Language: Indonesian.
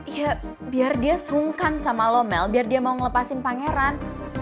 ya biar dia sungkan sama lo mel biar dia mau ngelepasin pangeran